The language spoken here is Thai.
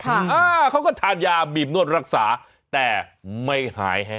อ่าเขาก็ทานยาบีบนวดรักษาแต่ไม่หายแห้